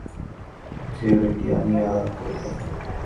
কাল-পরশু একবার এসো, তোমার থিওরিটা নিয়ে আলাপ করব।